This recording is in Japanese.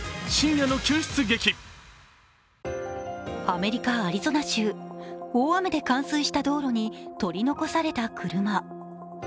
アメリカ・アリゾナ州、大雨で冠水した道路に取り残された車。